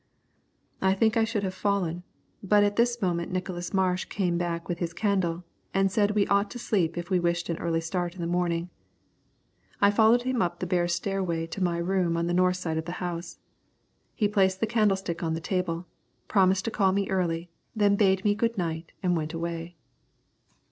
I think I should have fallen, but at this moment Nicholas Marsh came back with his candle, and said we ought to sleep if we wished an early start in the morning. I followed him up the bare stairway to my room on the north side of the house. He placed the candlestick on the table, promised to call me early, then bade me good night and went away.